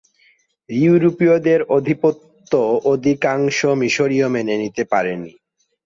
ইউরোপীয়দের আধিপত্য অধিকাংশ মিশরীয় মেনে নিতে পারেনি।